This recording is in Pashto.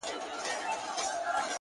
• مُلا عزیز دی ټولو ته ګران دی,